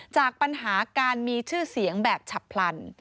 จากปัญหาการมีชื่อเสียงแบบฉับพลัน